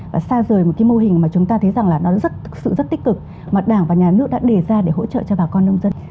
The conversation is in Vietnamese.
và xa rời một cái mô hình mà chúng ta thấy rằng là nó rất thực sự rất tích cực mà đảng và nhà nước đã đề ra để hỗ trợ cho bà con nông dân